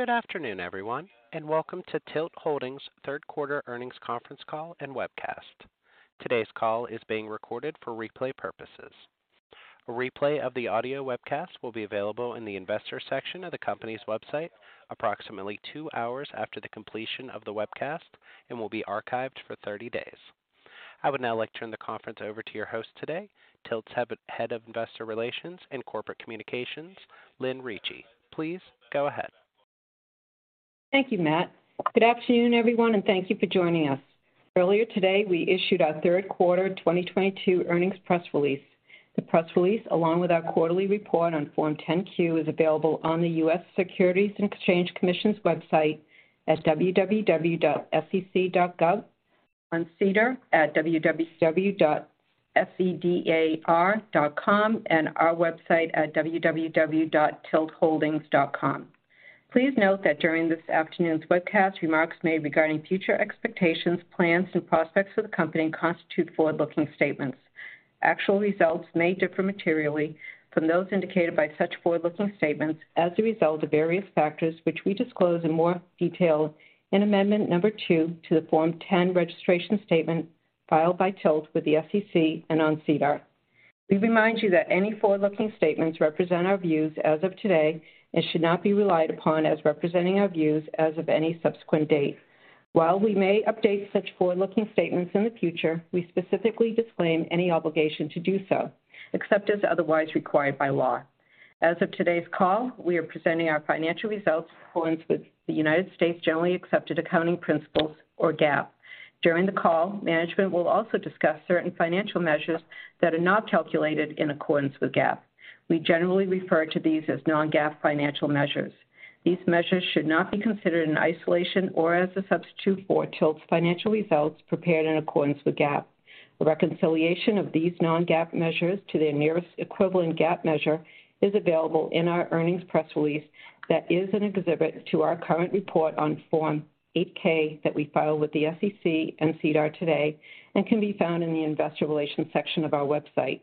Good afternoon, everyone, and welcome to TILT Holdings third quarter earnings conference call and webcast. Today's call is being recorded for replay purposes. A replay of the audio webcast will be available in the investor section of the company's website approximately two hours after the completion of the webcast and will be archived for 30 days. I would now like to turn the conference over to your host today, TILT's head of investor relations and corporate communications, Lynn Ricci. Please go ahead. Thank you, Matt. Good afternoon, everyone, and thank you for joining us. Earlier today, we issued our third quarter 2022 earnings press release. The press release, along with our quarterly report on Form 10-Q, is available on the U.S. Securities and Exchange Commission's website at www.sec.gov, on SEDAR+ at www.sedar.com, and our website at www.TILTholdings.com. Please note that during this afternoon's webcast, remarks made regarding future expectations, plans, and prospects for the company constitute forward-looking statements. Actual results may differ materially from those indicated by such forward-looking statements as a result of various factors which we disclose in more detail in Amendment number two to the Form 10-Q registration statement filed by TILT with the SEC and on SEDAR+. We remind you that any forward-looking statements represent our views as of today and should not be relied upon as representing our views as of any subsequent date. While we may update such forward-looking statements in the future, we specifically disclaim any obligation to do so, except as otherwise required by law. As of today's call, we are presenting our financial results in accordance with the United States generally accepted accounting principles or GAAP. During the call, management will also discuss certain financial measures that are not calculated in accordance with GAAP. We generally refer to these as non-GAAP financial measures. These measures should not be considered in isolation or as a substitute for TILT's financial results prepared in accordance with GAAP. The reconciliation of these non-GAAP measures to their nearest equivalent GAAP measure is available in our earnings press release that is an exhibit to our current report on Form 8-K that we filed with the SEC and SEDAR today and can be found in the investor relations section of our website.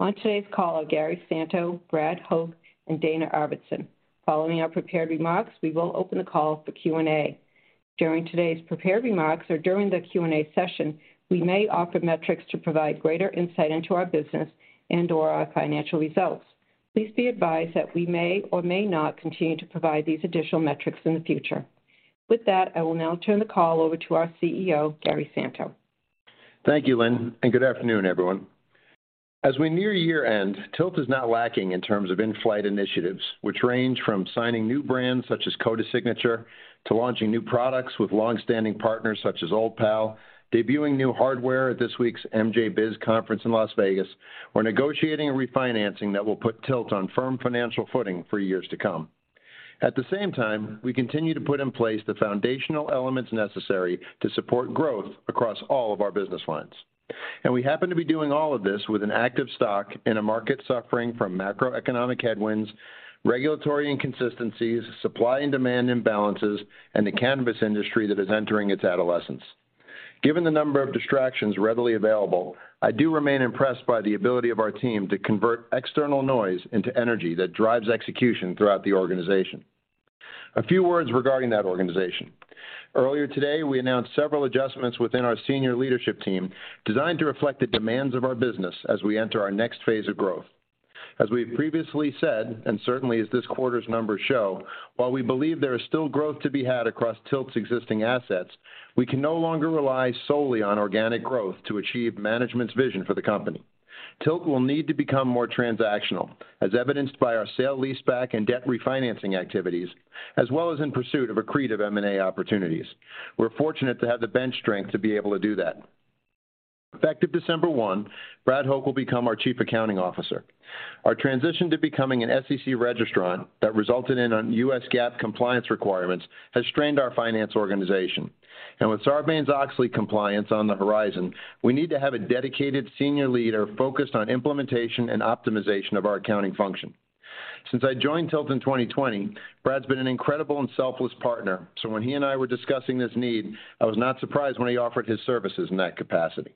On today's call are Gary Santo, Brad Hoch, and Dana Arvidson. Following our prepared remarks, we will open the call for Q&A. During today's prepared remarks or during the Q&A session, we may offer metrics to provide greater insight into our business and/or our financial results. Please be advised that we may or may not continue to provide these additional metrics in the future. With that, I will now turn the call over to our CEO, Gary Santo. Thank you, Lynn, and good afternoon, everyone. As we near year-end, TILT is not lacking in terms of in-flight initiatives, which range from signing new brands such as Coda Signature to launching new products with longstanding partners such as Old Pal, debuting new hardware at this week's MJBizCon in Las Vegas. We're negotiating a refinancing that will put TILT on firm financial footing for years to come. At the same time, we continue to put in place the foundational elements necessary to support growth across all of our business lines. We happen to be doing all of this with an active stock in a market suffering from macroeconomic headwinds, regulatory inconsistencies, supply and demand imbalances, and the cannabis industry that is entering its adolescence. Given the number of distractions readily available, I do remain impressed by the ability of our team to convert external noise into energy that drives execution throughout the organization. A few words regarding that organization. Earlier today, we announced several adjustments within our senior leadership team designed to reflect the demands of our business as we enter our next phase of growth. As we have previously said, and certainly as this quarter's numbers show, while we believe there is still growth to be had across TILT's existing assets, we can no longer rely solely on organic growth to achieve management's vision for the company. TILT will need to become more transactional, as evidenced by our sale-leaseback and debt refinancing activities, as well as in pursuit of accretive M&A opportunities. We're fortunate to have the bench strength to be able to do that. Effective December 1, Brad Hoch will become our Chief Accounting Officer. Our transition to becoming an SEC registrant that resulted in U.S. GAAP compliance requirements has strained our finance organization. With Sarbanes-Oxley compliance on the horizon, we need to have a dedicated senior leader focused on implementation and optimization of our accounting function. Since I joined TILT in 2020, Brad's been an incredible and selfless partner, so when he and I were discussing this need, I was not surprised when he offered his services in that capacity.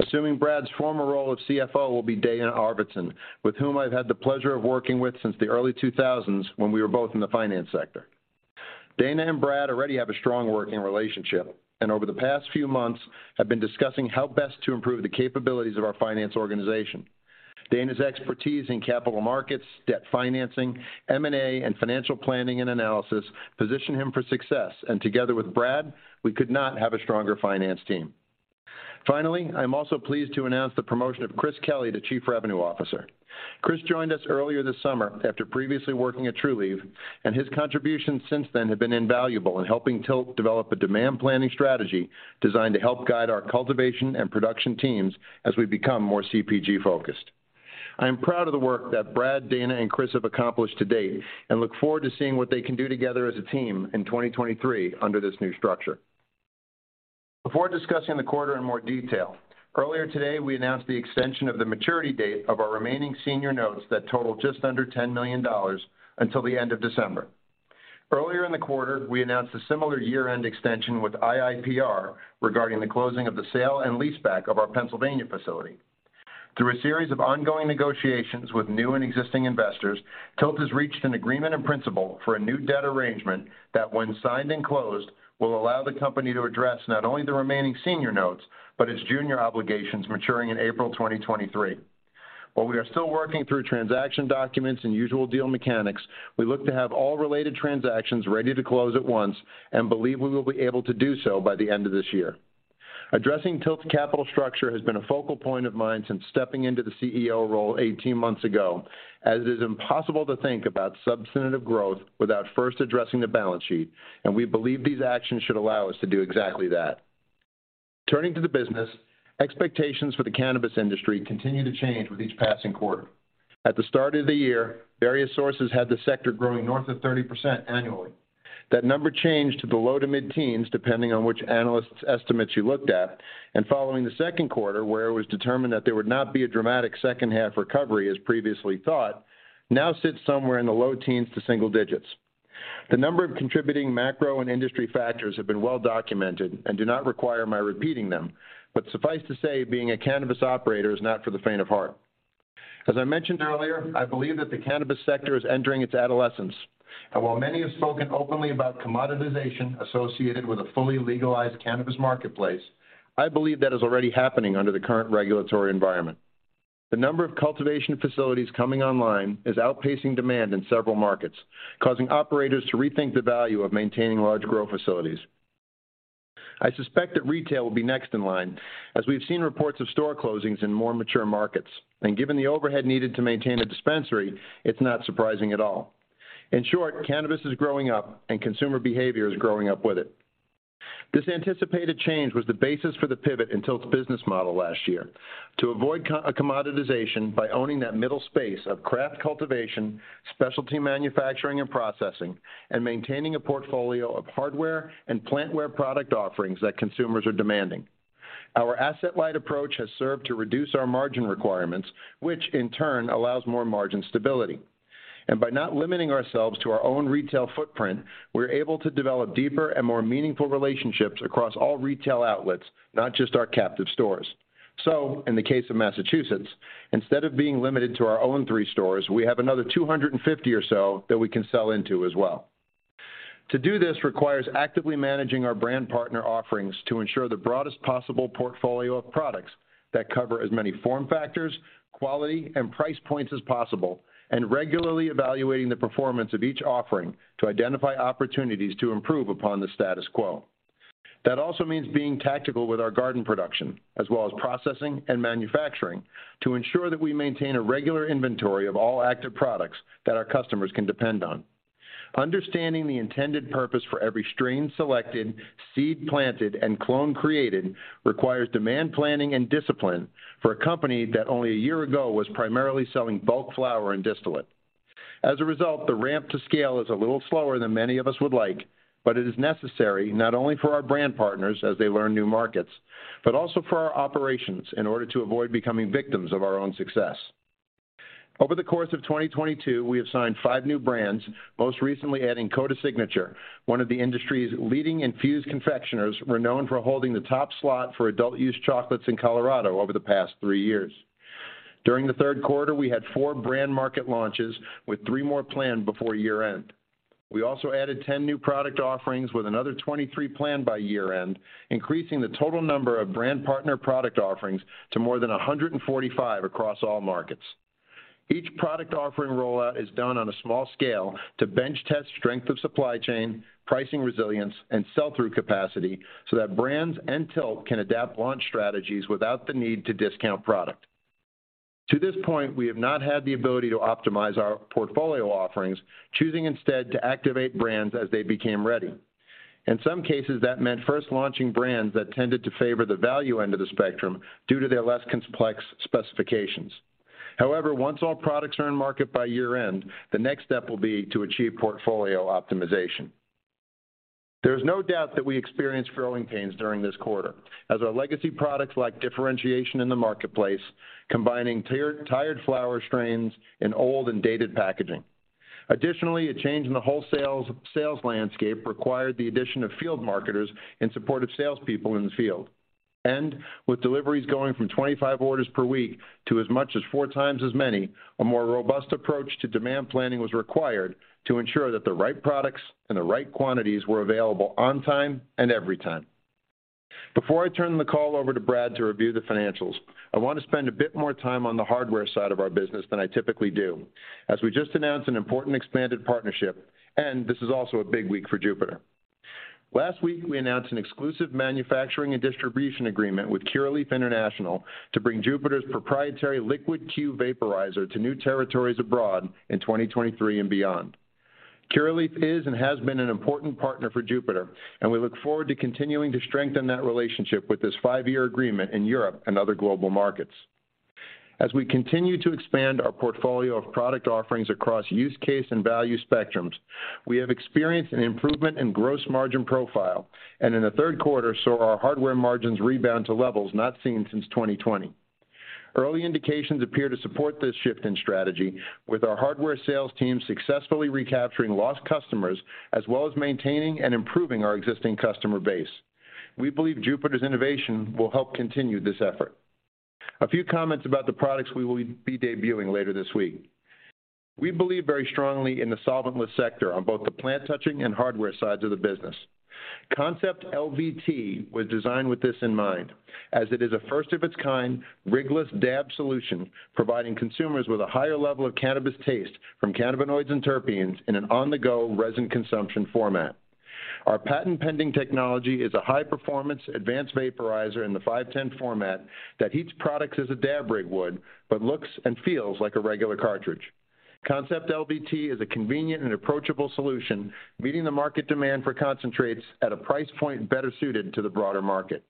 Assuming Brad's former role of CFO will be Dana Arvidson, with whom I've had the pleasure of working with since the early 2000s when we were both in the finance sector. Dana and Brad already have a strong working relationship, and over the past few months have been discussing how best to improve the capabilities of our finance organization. Dana's expertise in capital markets, debt financing, M&A, and financial planning and analysis position him for success, and together with Brad, we could not have a stronger finance team. Finally, I'm also pleased to announce the promotion of Chris Kelly to Chief Revenue Officer. Chris joined us earlier this summer after previously working at Trulieve, and his contributions since then have been invaluable in helping TILT develop a demand planning strategy designed to help guide our cultivation and production teams as we become more CPG-focused. I am proud of the work that Brad, Dana, and Chris have accomplished to date and look forward to seeing what they can do together as a team in 2023 under this new structure. Before discussing the quarter in more detail, earlier today we announced the extension of the maturity date of our remaining senior notes that total just under $10 million until the end of December. Earlier in the quarter, we announced a similar year-end extension with IIPR regarding the closing of the sale and leaseback of our Pennsylvania facility. Through a series of ongoing negotiations with new and existing investors, TILT has reached an agreement in principle for a new debt arrangement that when signed and closed, will allow the company to address not only the remaining senior notes, but its junior obligations maturing in April 2023. While we are still working through transaction documents and usual deal mechanics, we look to have all related transactions ready to close at once and believe we will be able to do so by the end of this year. Addressing TILT's capital structure has been a focal point of mine since stepping into the CEO role 18 months ago, as it is impossible to think about substantive growth without first addressing the balance sheet, and we believe these actions should allow us to do exactly that. Turning to the business, expectations for the cannabis industry continue to change with each passing quarter. At the start of the year, various sources had the sector growing north of 30% annually. That number changed to the low- to mid-teens, depending on which analyst's estimates you looked at, and following the second quarter, where it was determined that there would not be a dramatic second-half recovery as previously thought, now sits somewhere in the low teens to single digits. The number of contributing macro and industry factors have been well-documented and do not require my repeating them, but suffice to say, being a cannabis operator is not for the faint of heart. As I mentioned earlier, I believe that the cannabis sector is entering its adolescence, and while many have spoken openly about commoditization associated with a fully legalized cannabis marketplace, I believe that is already happening under the current regulatory environment. The number of cultivation facilities coming online is outpacing demand in several markets, causing operators to rethink the value of maintaining large grow facilities. I suspect that retail will be next in line, as we've seen reports of store closings in more mature markets. Given the overhead needed to maintain a dispensary, it's not surprising at all. In short, cannabis is growing up and consumer behavior is growing up with it. This anticipated change was the basis for the pivot in TILT's business model last year. To avoid commoditization by owning that middle space of craft cultivation, specialty manufacturing and processing, and maintaining a portfolio of hardware and plantware product offerings that consumers are demanding. Our asset-light approach has served to reduce our margin requirements, which in turn allows more margin stability. By not limiting ourselves to our own retail footprint, we're able to develop deeper and more meaningful relationships across all retail outlets, not just our captive stores. In the case of Massachusetts, instead of being limited to our own three stores, we have another 250 or so that we can sell into as well. To do this requires actively managing our brand partner offerings to ensure the broadest possible portfolio of products that cover as many form factors, quality, and price points as possible, and regularly evaluating the performance of each offering to identify opportunities to improve upon the status quo. That also means being tactical with our garden production, as well as processing and manufacturing, to ensure that we maintain a regular inventory of all active products that our customers can depend on. Understanding the intended purpose for every strain selected, seed planted, and clone created requires demand planning and discipline for a company that only a year ago was primarily selling bulk flower and distillate. As a result, the ramp to scale is a little slower than many of us would like, but it is necessary not only for our brand partners as they learn new markets, but also for our operations in order to avoid becoming victims of our own success. Over the course of 2022, we have signed five new brands, most recently adding Coda Signature, one of the industry's leading infused confectioners renowned for holding the top slot for adult-use chocolates in Colorado over the past three years. During the third quarter, we had four brand market launches, with three more planned before year-end. We also added 10 new product offerings with another 23 planned by year-end, increasing the total number of brand partner product offerings to more than 145 across all markets. Each product offering rollout is done on a small scale to bench test strength of supply chain, pricing resilience, and sell-through capacity so that brands and TILT can adapt launch strategies without the need to discount product. To this point, we have not had the ability to optimize our portfolio offerings, choosing instead to activate brands as they became ready. In some cases, that meant first launching brands that tended to favor the value end of the spectrum due to their less complex specifications. However, once all products are in market by year-end, the next step will be to achieve portfolio optimization. There is no doubt that we experienced growing pains during this quarter as our legacy products lack differentiation in the marketplace, combining tired flower strains in old and dated packaging. Additionally, a change in the wholesale sales landscape required the addition of field marketers and supportive salespeople in the field. With deliveries going from 25 orders per week to as much as four times as many, a more robust approach to demand planning was required to ensure that the right products and the right quantities were available on time and every time. Before I turn the call over to Brad to review the financials, I want to spend a bit more time on the hardware side of our business than I typically do, as we just announced an important expanded partnership, and this is also a big week for Jupiter. Last week, we announced an exclusive manufacturing and distribution agreement with Curaleaf International to bring Jupiter's proprietary Liquid6 vaporizer to new territories abroad in 2023 and beyond. Curaleaf is and has been an important partner for Jupiter, and we look forward to continuing to strengthen that relationship with this five-year agreement in Europe and other global markets. As we continue to expand our portfolio of product offerings across use case and value spectrums, we have experienced an improvement in gross margin profile, and in the third quarter, saw our hardware margins rebound to levels not seen since 2020. Early indications appear to support this shift in strategy, with our hardware sales team successfully recapturing lost customers, as well as maintaining and improving our existing customer base. We believe Jupiter's innovation will help continue this effort. A few comments about the products we will be debuting later this week. We believe very strongly in the solventless sector on both the plant touching and hardware sides of the business. Concept LVT was designed with this in mind, as it is a first of its kind rig-less dab solution, providing consumers with a higher level of cannabis taste from cannabinoids and terpenes in an on-the-go resin consumption format. Our patent-pending technology is a high-performance advanced vaporizer in the 510 format that heats products as a dab rig would, but looks and feels like a regular cartridge. Concept LVT is a convenient and approachable solution, meeting the market demand for concentrates at a price point better suited to the broader market.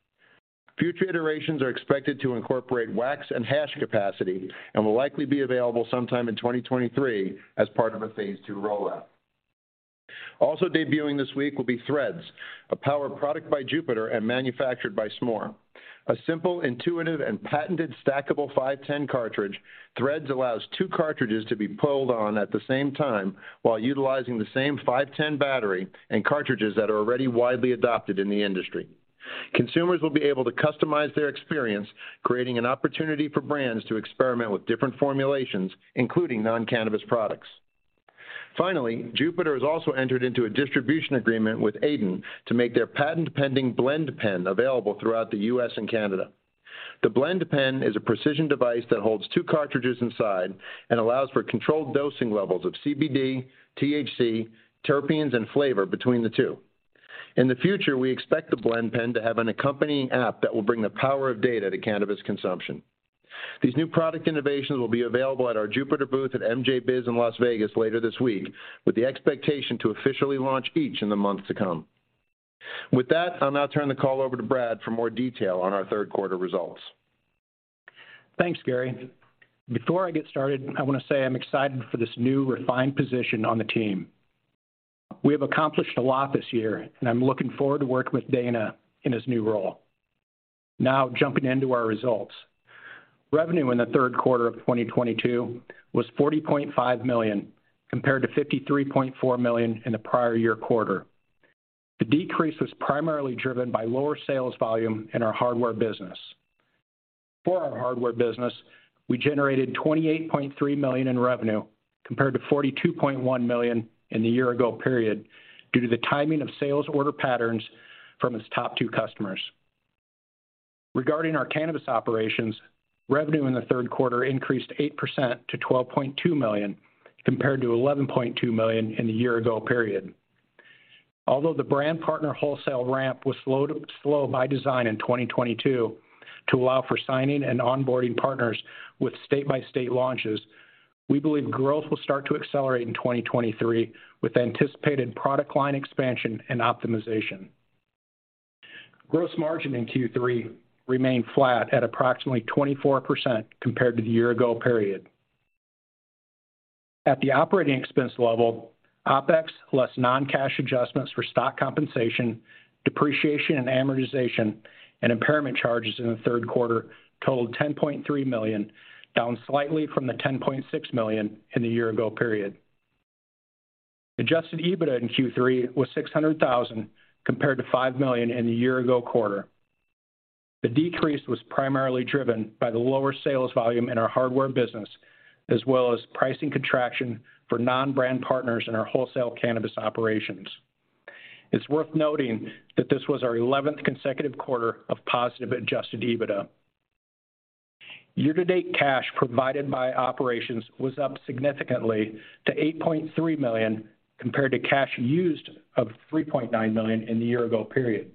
Future iterations are expected to incorporate wax and hash capacity and will likely be available sometime in 2023 as part of a phase two rollout. Also debuting this week will be THREDZ, a power product by Jupiter and manufactured by Smoore. A simple, intuitive, and patented stackable 510 cartridge, THREDZ allows two cartridges to be threaded on at the same time while utilizing the same 510 battery and cartridges that are already widely adopted in the industry. Consumers will be able to customize their experience, creating an opportunity for brands to experiment with different formulations, including non-cannabis products. Finally, Jupiter has also entered into a distribution agreement with Aiden to make their patent-pending Blend Pen available throughout the U.S. and Canada. The Blend Pen is a precision device that holds two cartridges inside and allows for controlled dosing levels of CBD, THC, terpenes, and flavor between the two. In the future, we expect the Blend Pen to have an accompanying app that will bring the power of data to cannabis consumption. These new product innovations will be available at our Jupiter booth at MJBizCon in Las Vegas later this week, with the expectation to officially launch each in the months to come. With that, I'll now turn the call over to Brad for more detail on our third quarter results. Thanks, Gary. Before I get started, I want to say I'm excited for this new refined position on the team. We have accomplished a lot this year, and I'm looking forward to working with Dana in his new role. Now jumping into our results. Revenue in the third quarter of 2022 was $40.5 million, compared to $53.4 million in the prior year quarter. The decrease was primarily driven by lower sales volume in our hardware business. For our hardware business, we generated $28.3 million in revenue, compared to $42.1 million in the year-ago period, due to the timing of sales order patterns from its top two customers. Regarding our cannabis operations, revenue in the third quarter increased 8% to $12.2 million, compared to $11.2 million in the year-ago period. Although the brand partner wholesale ramp was slow by design in 2022 to allow for signing and onboarding partners with state-by-state launches, we believe growth will start to accelerate in 2023 with anticipated product line expansion and optimization. Gross margin in Q3 remained flat at approximately 24% compared to the year-ago period. At the operating expense level, OpEx less non-cash adjustments for stock compensation, depreciation and amortization, and impairment charges in the third quarter totaled $10.3 million, down slightly from the $10.6 million in the year-ago period. Adjusted EBITDA in Q3 was $600,000, compared to $5 million in the year-ago quarter. The decrease was primarily driven by the lower sales volume in our hardware business, as well as pricing contraction for non-brand partners in our wholesale cannabis operations. It's worth noting that this was our 11th consecutive quarter of positive adjusted EBITDA. Year-to-date cash provided by operations was up significantly to $8.3 million, compared to cash used of $3.9 million in the year-ago period,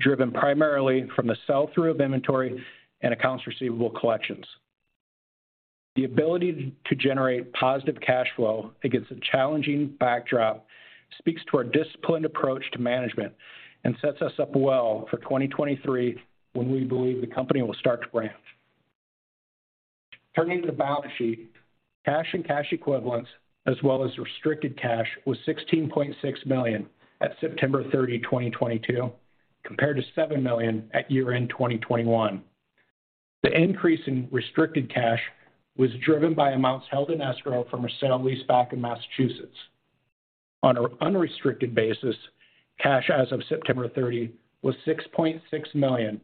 driven primarily from the sell-through of inventory and accounts receivable collections. The ability to generate positive cash flow against a challenging backdrop speaks to our disciplined approach to management and sets us up well for 2023, when we believe the company will start to ramp. Turning to the balance sheet, cash and cash equivalents, as well as restricted cash, was $16.6 million at September 30, 2022, compared to $7 million at year-end 2021. The increase in restricted cash was driven by amounts held in escrow from a sale-leaseback in Massachusetts. On an unrestricted basis, cash as of September 30 was $6.6 million,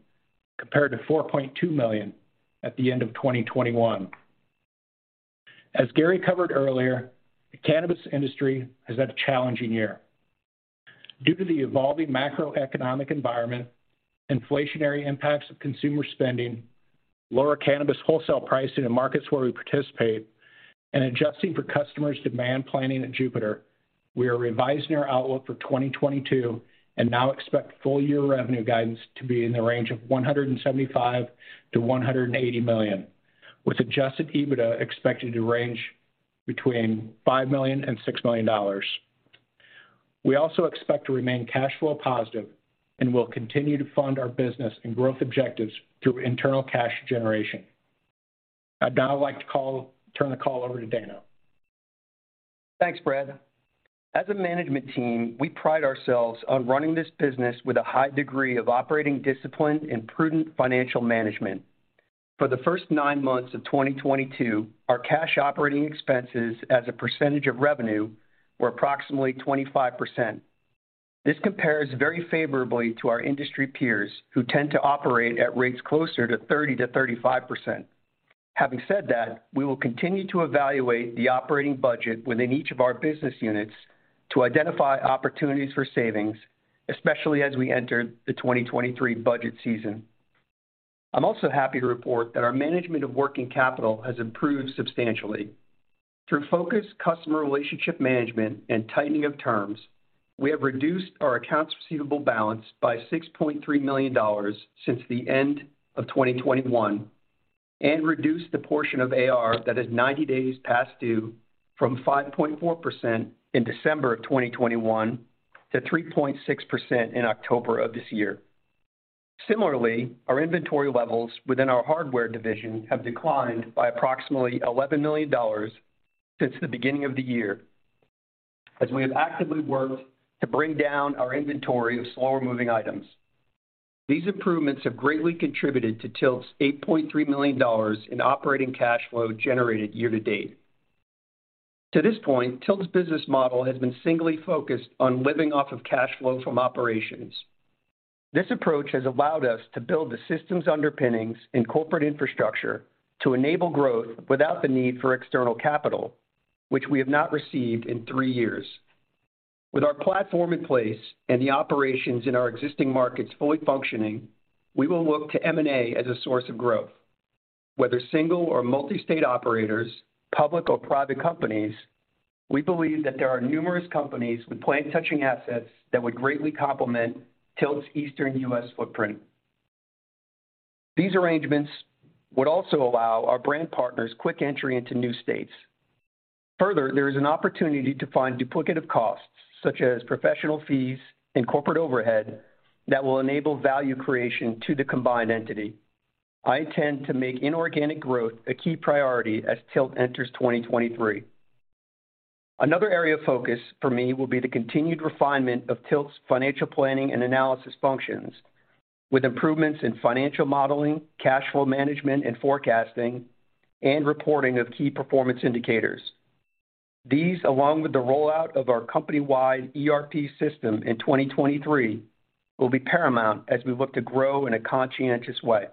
compared to $4.2 million at the end of 2021. As Gary covered earlier, the cannabis industry has had a challenging year. Due to the evolving macroeconomic environment, inflationary impacts of consumer spending, lower cannabis wholesale pricing in markets where we participate, and adjusting for customers' demand planning at Jupiter, we are revising our outlook for 2022 and now expect full-year revenue guidance to be in the range of $175 million-$180 million, with adjusted EBITDA expected to range between $5 million and $6 million. We also expect to remain cash flow positive and will continue to fund our business and growth objectives through internal cash generation. I'd now like to turn the call over to Dana. Thanks, Brad. As a management team, we pride ourselves on running this business with a high degree of operating discipline and prudent financial management. For the first nine months of 2022, our cash operating expenses as a percentage of revenue were approximately 25%. This compares very favorably to our industry peers who tend to operate at rates closer to 30%-35%. Having said that, we will continue to evaluate the operating budget within each of our business units to identify opportunities for savings, especially as we enter the 2023 budget season. I'm also happy to report that our management of working capital has improved substantially. Through focused customer relationship management and tightening of terms, we have reduced our accounts receivable balance by $6.3 million since the end of 2021 and reduced the portion of AR that is 90 days past due from 5.4% in December of 2021 to 3.6% in October of this year. Similarly, our inventory levels within our hardware division have declined by approximately $11 million since the beginning of the year as we have actively worked to bring down our inventory of slower-moving items. These improvements have greatly contributed to TILT's $8.3 million in operating cash flow generated year to date. To this point, TILT's business model has been singly focused on living off of cash flow from operations. This approach has allowed us to build the systems underpinnings and corporate infrastructure to enable growth without the need for external capital, which we have not received in three years. With our platform in place and the operations in our existing markets fully functioning, we will look to M&A as a source of growth. Whether single or multi-state operators, public or private companies, we believe that there are numerous companies with plant-touching assets that would greatly complement TILT's Eastern U.S. footprint. These arrangements would also allow our brand partners quick entry into new states. Further, there is an opportunity to find duplicative costs such as professional fees and corporate overhead that will enable value creation to the combined entity. I intend to make inorganic growth a key priority as TILT enters 2023. Another area of focus for me will be the continued refinement of TILT's financial planning and analysis functions with improvements in financial modeling, cash flow management and forecasting, and reporting of key performance indicators. These, along with the rollout of our company-wide ERP system in 2023, will be paramount as we look to grow in a conscientious way.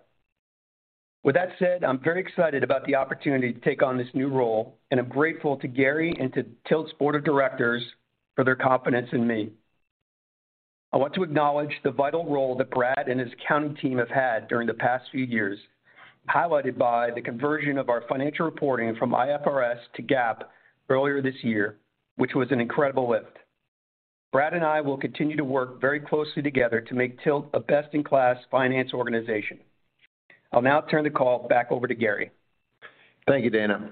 With that said, I'm very excited about the opportunity to take on this new role, and I'm grateful to Gary and to TILT's board of directors for their confidence in me. I want to acknowledge the vital role that Brad and his accounting team have had during the past few years, highlighted by the conversion of our financial reporting from IFRS to GAAP earlier this year, which was an incredible lift. Brad and I will continue to work very closely together to make TILT a best-in-class finance organization. I'll now turn the call back over to Gary. Thank you, Dana.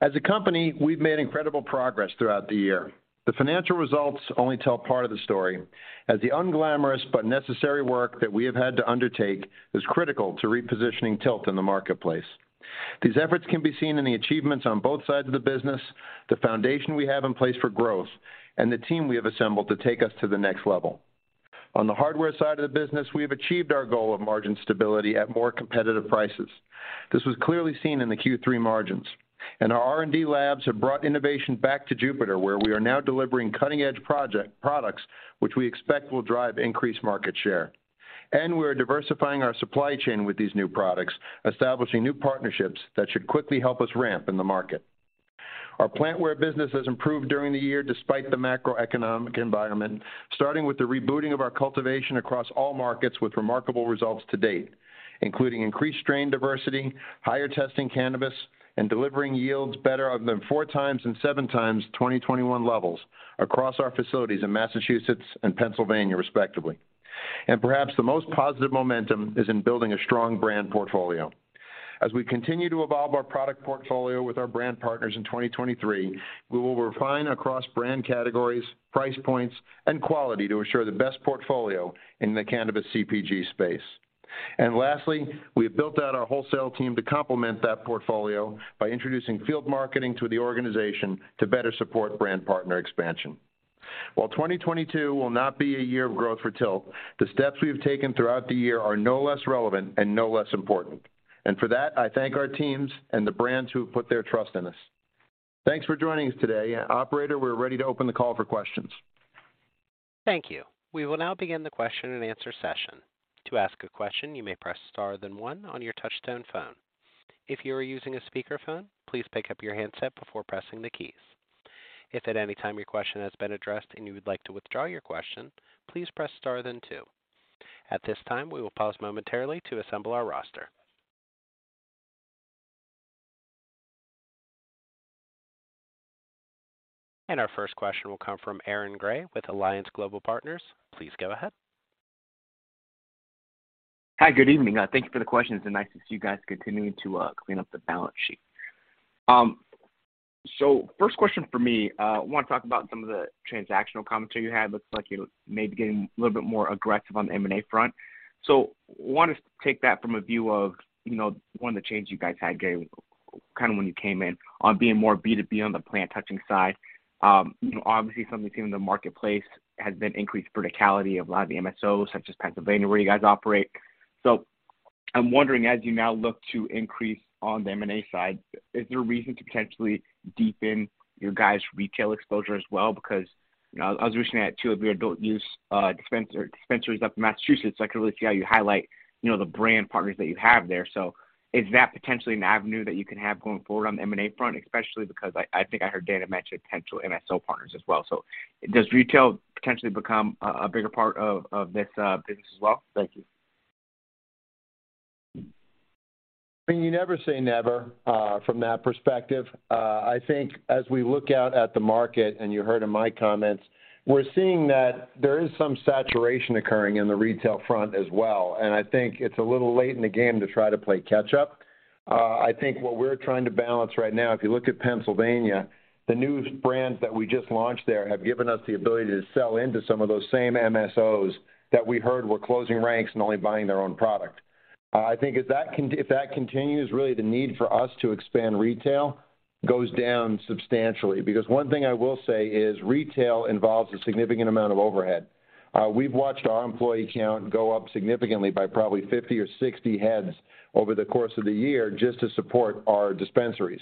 As a company, we've made incredible progress throughout the year. The financial results only tell part of the story, as the unglamorous but necessary work that we have had to undertake is critical to repositioning TILT in the marketplace. These efforts can be seen in the achievements on both sides of the business, the foundation we have in place for growth, and the team we have assembled to take us to the next level. On the hardware side of the business, we have achieved our goal of margin stability at more competitive prices. This was clearly seen in the Q3 margins. Our R&D labs have brought innovation back to Jupiter, where we are now delivering cutting-edge products which we expect will drive increased market share. We are diversifying our supply chain with these new products, establishing new partnerships that should quickly help us ramp in the market. Our plantware business has improved during the year despite the macroeconomic environment, starting with the rebooting of our cultivation across all markets with remarkable results to date, including increased strain diversity, higher testing cannabis, and delivering yields better than four times and seven times 2021 levels across our facilities in Massachusetts and Pennsylvania, respectively. Perhaps the most positive momentum is in building a strong brand portfolio. As we continue to evolve our product portfolio with our brand partners in 2023, we will refine across brand categories, price points, and quality to assure the best portfolio in the cannabis CPG space. Lastly, we have built out our wholesale team to complement that portfolio by introducing field marketing to the organization to better support brand partner expansion. While 2022 will not be a year of growth for TILT, the steps we have taken throughout the year are no less relevant and no less important. For that, I thank our teams and the brands who have put their trust in us. Thanks for joining us today. Operator, we're ready to open the call for questions. Thank you. We will now begin the question and answer session. To ask a question, you may press star then one on your touchtone phone. If you are using a speakerphone, please pick up your handset before pressing the keys. If at any time your question has been addressed and you would like to withdraw your question, please press star then two. At this time, we will pause momentarily to assemble our roster. Our first question will come from Aaron Grey with Alliance Global Partners. Please go ahead. Hi, good evening. Thank you for the questions, and nice to see you guys continuing to clean up the balance sheet. First question for me, I wanna talk about some of the transactional commentary you had. Looks like you're maybe getting a little bit more aggressive on the M&A front. Wanna take that from a view of, you know, one of the changes you guys had, Gary, kind of when you came in on being more B2B on the plant touching side. You know, obviously something seen in the marketplace has been increased verticality of a lot of the MSOs such as Pennsylvania, where you guys operate. I'm wondering, as you now look to increase on the M&A side, is there a reason to potentially deepen your guys' retail exposure as well? Because, you know, I was listening at two of your adult use dispensaries up in Massachusetts. I can really see how you highlight, you know, the brand partners that you have there. Is that potentially an avenue that you can have going forward on the M&A front? Especially because I think I heard Dana mention potential MSO partners as well. Does retail potentially become a bigger part of this business as well? Thank you. I mean, you never say never from that perspective. I think as we look out at the market, and you heard in my comments, we're seeing that there is some saturation occurring in the retail front as well. I think it's a little late in the game to try to play catch up. I think what we're trying to balance right now, if you look at Pennsylvania, the newest brands that we just launched there have given us the ability to sell into some of those same MSOs that we heard were closing ranks and only buying their own product. I think if that continues, really the need for us to expand retail goes down substantially. Because one thing I will say is retail involves a significant amount of overhead. We've watched our employee count go up significantly by probably 50 or 60 heads over the course of the year just to support our dispensaries.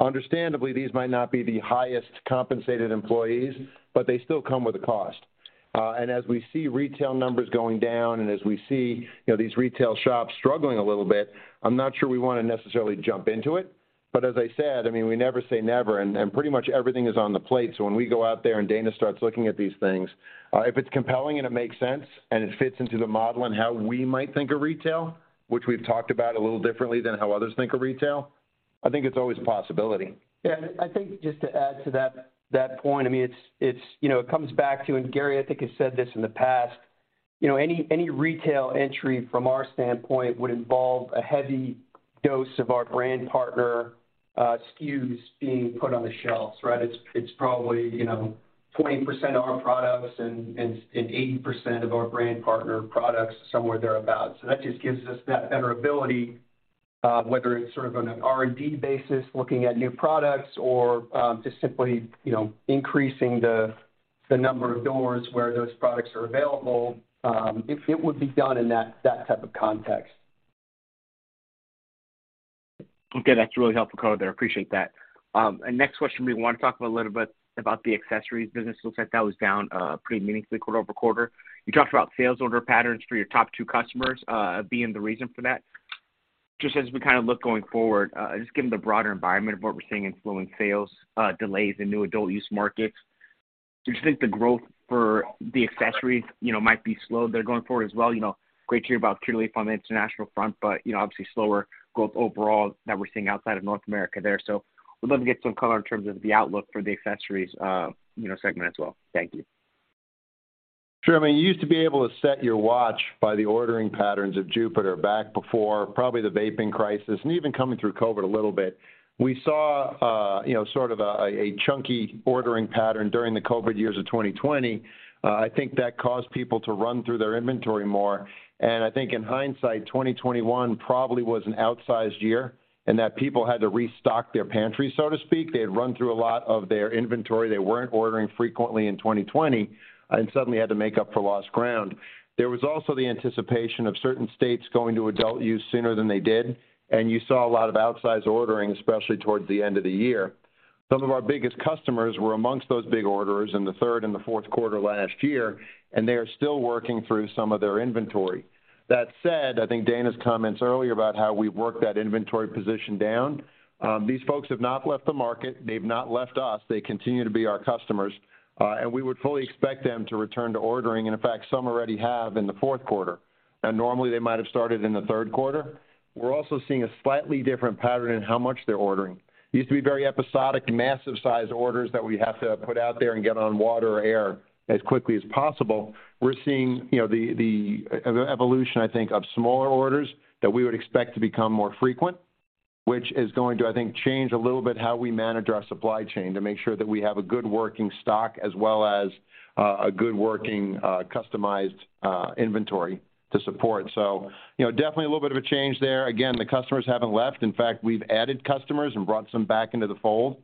Understandably, these might not be the highest compensated employees, but they still come with a cost. As we see retail numbers going down and as we see, you know, these retail shops struggling a little bit, I'm not sure we wanna necessarily jump into it. As I said, I mean, we never say never, and pretty much everything is on the plate. When we go out there and Dana starts looking at these things, if it's compelling and it makes sense and it fits into the model and how we might think of retail, which we've talked about a little differently than how others think of retail, I think it's always a possibility. Yeah. I think just to add to that point, I mean, it's you know, it comes back to, Gary, I think, has said this in the past, you know, any retail entry from our standpoint would involve a heavy dose of our brand partner SKUs being put on the shelves, right? It's probably, you know, 20% our products and 80% of our brand partner products, somewhere thereabout. That just gives us that better ability, whether it's sort of on an R&D basis, looking at new products or just simply, you know, increasing the number of doors where those products are available, it would be done in that type of context. Okay. That's really helpful color there. I appreciate that. Next question for me, wanna talk a little bit about the accessories business. Looks like that was down pretty meaningfully quarter-over-quarter. You talked about sales order patterns for your top two customers being the reason for that. Just as we kind of look going forward, just given the broader environment of what we're seeing influencing sales, delays in new adult use markets, do you think the growth for the accessories, you know, might be slowed there going forward as well? You know, great to hear about Curaleaf on the international front, but you know, obviously slower growth overall that we're seeing outside of North America there. Would love to get some color in terms of the outlook for the accessories, you know, segment as well. Thank you. Sure. I mean, you used to be able to set your watch by the ordering patterns of Jupiter back before probably the vaping crisis and even coming through COVID a little bit. We saw a chunky ordering pattern during the COVID years of 2020. I think that caused people to run through their inventory more. I think in hindsight, 2021 probably was an outsized year, and that people had to restock their pantry, so to speak. They had run through a lot of their inventory. They weren't ordering frequently in 2020 and suddenly had to make up for lost ground. There was also the anticipation of certain states going to adult use sooner than they did, and you saw a lot of outsized ordering, especially towards the end of the year. Some of our biggest customers were amongst those big orders in the third and the fourth quarter last year, and they are still working through some of their inventory. That said, I think Dana's comments earlier about how we've worked that inventory position down, these folks have not left the market. They've not left us. They continue to be our customers, and we would fully expect them to return to ordering, and in fact, some already have in the fourth quarter. Now, normally, they might have started in the third quarter. We're also seeing a slightly different pattern in how much they're ordering. It used to be very episodic, massive size orders that we have to put out there and get on water or air as quickly as possible. We're seeing, you know, the evolution, I think, of smaller orders that we would expect to become more frequent, which is going to, I think, change a little bit how we manage our supply chain to make sure that we have a good working stock as well as a good working customized inventory to support. So, you know, definitely a little bit of a change there. Again, the customers haven't left. In fact, we've added customers and brought some back into the fold.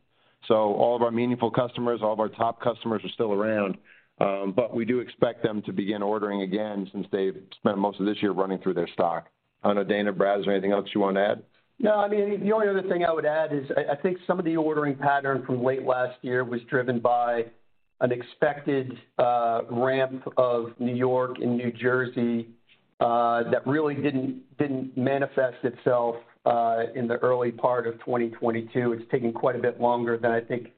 So all of our meaningful customers, all of our top customers are still around. We do expect them to begin ordering again since they've spent most of this year running through their stock. I don't know, Dana, Brad, is there anything else you wanna add? No. I mean, the only other thing I would add is I think some of the ordering pattern from late last year was driven by an expected ramp of New York and New Jersey that really didn't manifest itself in the early part of 2022. It's taken quite a bit longer than I think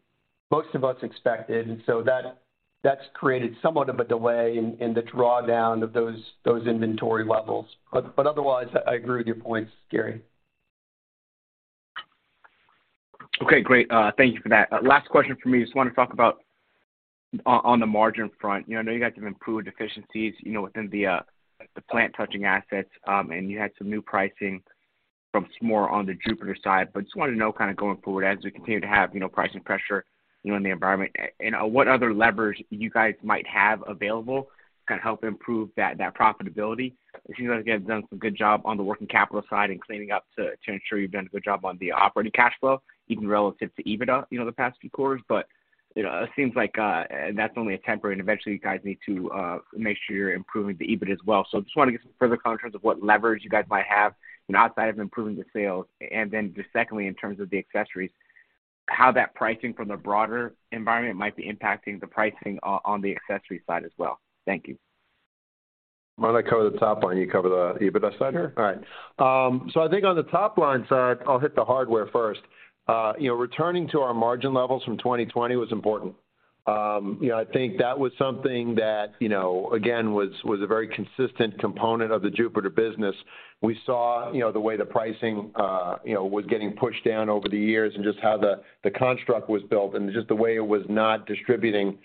most of us expected. That that's created somewhat of a delay in the drawdown of those inventory levels. Otherwise, I agree with your points, Gary. Okay, great. Thank you for that. Last question for me, just want to talk about on the margin front. You know, I know you guys have improved efficiencies, you know, within the plant touching assets, and you had some new pricing from Smoore on the Jupiter side. But just wanted to know kinda going forward as we continue to have, you know, pricing pressure, you know, in the environment, you know, what other levers you guys might have available to kind of help improve that profitability. It seems like you guys have done some good job on the working capital side and cleaning up to ensure you've done a good job on the operating cash flow, even relative to EBITDA, you know, the past few quarters. You know, it seems like that's only a temporary, and eventually you guys need to make sure you're improving the EBIT as well. Just wanna get some further color in terms of what leverage you guys might have, you know, outside of improving the sales. Then just secondly, in terms of the accessories, how that pricing from the broader environment might be impacting the pricing on the accessories side as well. Thank you. Why don't I cover the top line, you cover the EBITDA side here? All right. So I think on the top line side, I'll hit the hardware first. You know, returning to our margin levels from 2020 was important. You know, I think that was something that, you know, again, was a very consistent component of the Jupiter business. We saw, you know, the way the pricing, you know, was getting pushed down over the years and just how the construct was built and just the way it was not distributing,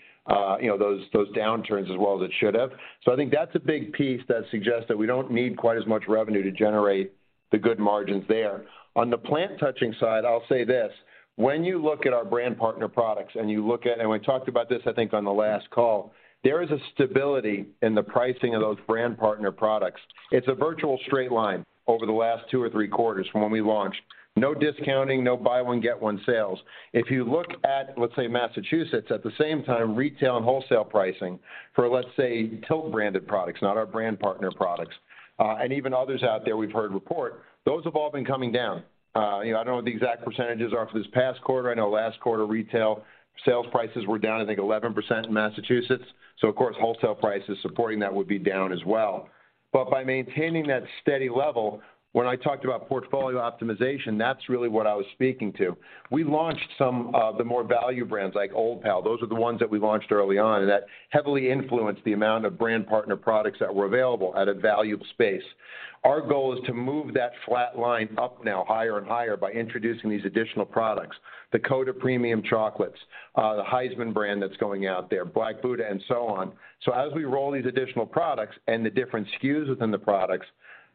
you know, those downturns as well as it should have. So I think that's a big piece that suggests that we don't need quite as much revenue to generate the good margins there. On the plant touching side, I'll say this. When you look at our brand partner products, and we talked about this, I think, on the last call, there is a stability in the pricing of those brand partner products. It's a virtual straight line over the last two or three quarters from when we launched. No discounting, no buy one, get one sales. If you look at, let's say, Massachusetts, at the same time, retail and wholesale pricing for, let's say, TILT branded products, not our brand partner products, and even others out there we've heard reported, those have all been coming down. You know, I don't know what the exact percentages are for this past quarter. I know last quarter, retail sales prices were down, I think, 11% in Massachusetts. Of course, wholesale prices supporting that would be down as well. By maintaining that steady level, when I talked about portfolio optimization, that's really what I was speaking to. We launched some of the more value brands like Old Pal. Those are the ones that we launched early on, and that heavily influenced the amount of brand partner products that were available at a value space. Our goal is to move that flat line up now higher and higher by introducing these additional products. The Coda premium chocolates, the Highsman brand that's going out there, Black Buddha, and so on. As we roll these additional products and the different SKUs within the products,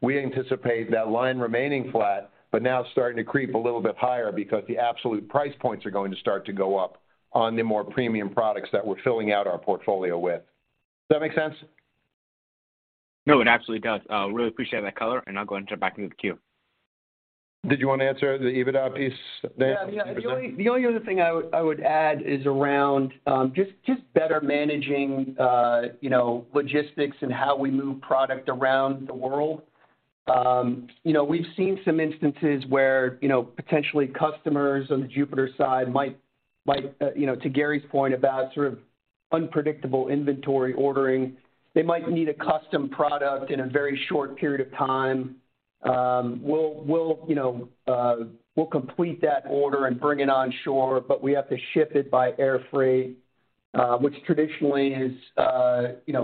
we anticipate that line remaining flat, but now starting to creep a little bit higher because the absolute price points are going to start to go up on the more premium products that we're filling out our portfolio with. Does that make sense? No, it absolutely does. Really appreciate that color, and I'll go and jump back into the queue. Did you wanna answer the EBITDA piece, Dana? Yeah. The only other thing I would add is around just better managing, you know, logistics and how we move product around the world. You know, we've seen some instances where, you know, potentially customers on the Jupiter side might you know, to Gary's point about sort of unpredictable inventory ordering, they might need a custom product in a very short period of time. We'll you know, we'll complete that order and bring it on shore, but we have to ship it by air freight, which traditionally is, you know,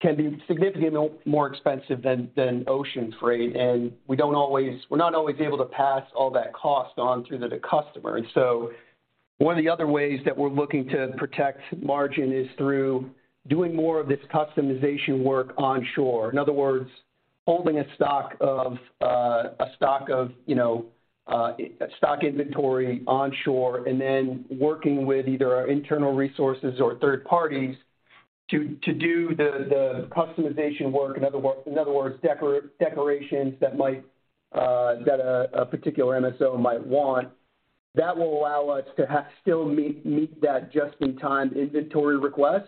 can be significantly more expensive than ocean freight. We're not always able to pass all that cost on to the customer. One of the other ways that we're looking to protect margin is through doing more of this customization work onshore. In other words, holding a stock of stock inventory onshore and then working with either our internal resources or third parties to do the customization work. In other words, decorations that a particular MSO might want. That will allow us to still meet that just-in-time inventory request,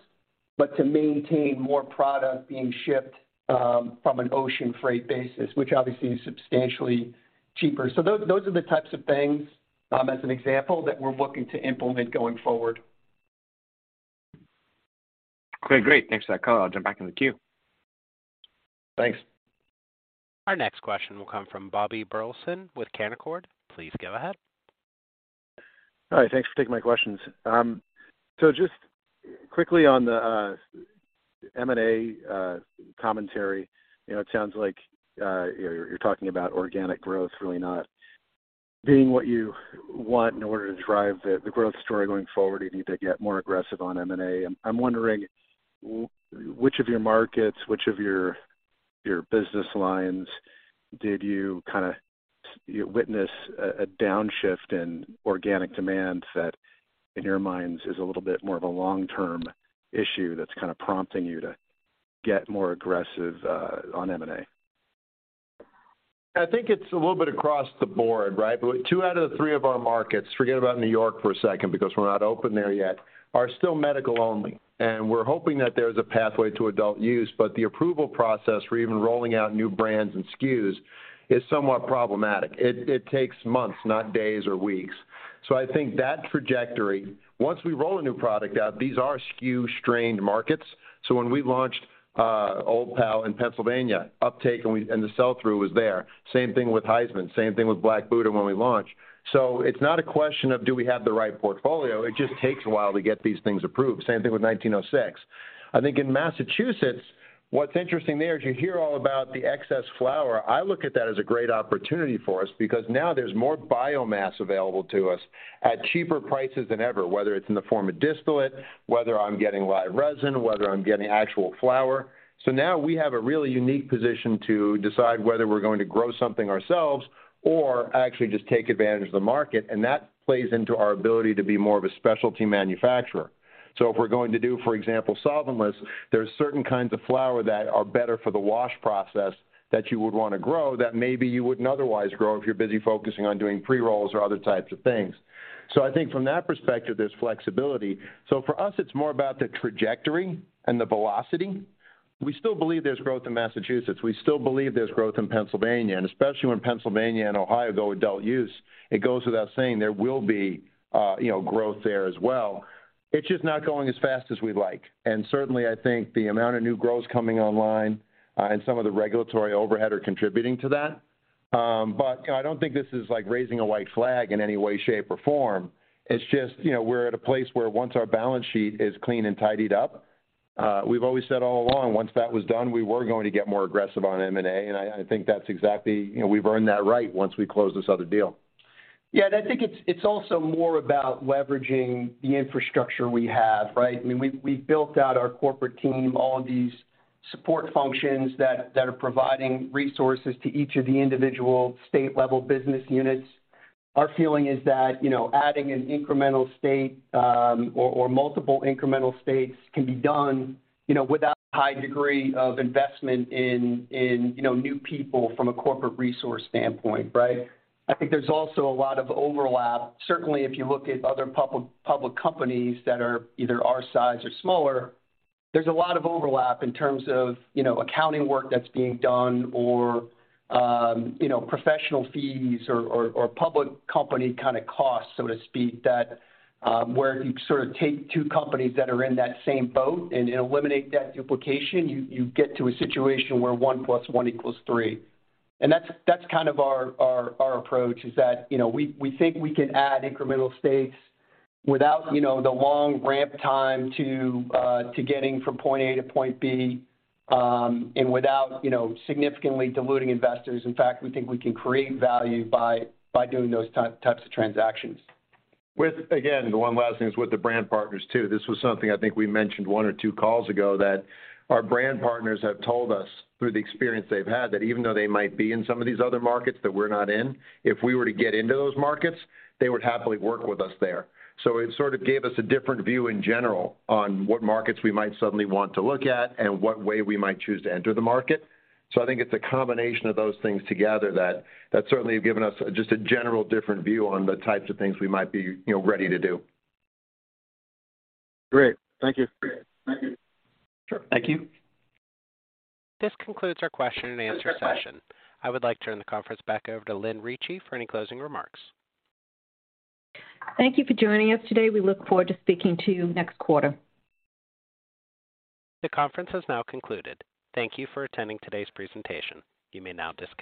but to maintain more product being shipped from an ocean freight basis, which obviously is substantially cheaper. Those are the types of things, as an example, that we're looking to implement going forward. Okay, great. Thanks for that color. I'll jump back in the queue. Thanks. Our next question will come from Bobby Burleson with Canaccord Genuity. Please go ahead. All right. Thanks for taking my questions. So just quickly on the M&A commentary, you know, it sounds like you're talking about organic growth really not being what you want in order to drive the growth story going forward. You need to get more aggressive on M&A. I'm wondering which of your markets, which of your business lines did you kinda, you know, witness a downshift in organic demand that in your minds is a little bit more of a long-term issue that's kind of prompting you to get more aggressive on M&A? I think it's a little bit across the board, right? Two out of the three of our markets, forget about New York for a second because we're not open there yet, are still medical only, and we're hoping that there's a pathway to adult use, but the approval process for even rolling out new brands and SKUs is somewhat problematic. It takes months, not days or weeks. I think that trajectory, once we roll a new product out, these are SKU-strained markets. When we launched Old Pal in Pennsylvania, uptake and the sell-through was there. Same thing with Highsman, same thing with Black Buddha when we launched. It's not a question of do we have the right portfolio? It just takes a while to get these things approved. Same thing with 1906. I think in Massachusetts, what's interesting there is you hear all about the excess flower. I look at that as a great opportunity for us because now there's more biomass available to us at cheaper prices than ever, whether it's in the form of distillate, whether I'm getting live resin, whether I'm getting actual flower. Now we have a really unique position to decide whether we're going to grow something ourselves or actually just take advantage of the market, and that plays into our ability to be more of a specialty manufacturer. If we're going to do, for example, solventless, there's certain kinds of flower that are better for the wash process that you would wanna grow that maybe you wouldn't otherwise grow if you're busy focusing on doing pre-rolls or other types of things. I think from that perspective, there's flexibility. For us, it's more about the trajectory and the velocity. We still believe there's growth in Massachusetts. We still believe there's growth in Pennsylvania, and especially when Pennsylvania and Ohio go adult use, it goes without saying there will be, you know, growth there as well. It's just not going as fast as we'd like. Certainly, I think the amount of new grows coming online, and some of the regulatory overhead are contributing to that. I don't think this is like raising a white flag in any way, shape, or form. It's just, you know, we're at a place where once our balance sheet is clean and tidied up, we've always said all along, once that was done, we were going to get more aggressive on M&A, and I think that's exactly, you know, we've earned that right once we close this other deal. Yeah. I think it's also more about leveraging the infrastructure we have, right? I mean, we've built out our corporate team, all of these support functions that are providing resources to each of the individual state level business units. Our feeling is that, you know, adding an incremental state, or multiple incremental states can be done, you know, without high degree of investment in, you know, new people from a corporate resource standpoint, right? I think there's also a lot of overlap. Certainly, if you look at other public companies that are either our size or smaller, there's a lot of overlap in terms of, you know, accounting work that's being done or, you know, professional fees or public company kind of costs, so to speak, that where you sort of take two companies that are in that same boat and eliminate that duplication, you get to a situation where one plus one equals three. That's kind of our approach, is that, you know, we think we can add incremental states without, you know, the long ramp time to getting from point A to point B, and without, you know, significantly diluting investors. In fact, we think we can create value by doing those types of transactions. With, again, the one last thing is with the brand partners too. This was something I think we mentioned one or two calls ago, that our brand partners have told us through the experience they've had, that even though they might be in some of these other markets that we're not in, if we were to get into those markets, they would happily work with us there. It sort of gave us a different view in general on what markets we might suddenly want to look at and what way we might choose to enter the market. I think it's a combination of those things together that certainly have given us just a general different view on the types of things we might be, you know, ready to do. Great. Thank you. Sure. Thank you. This concludes our question and answer session. I would like to turn the conference back over to Lynn Ricci for any closing remarks. Thank you for joining us today. We look forward to speaking to you next quarter. The conference has now concluded. Thank you for attending today's presentation. You may now disconnect.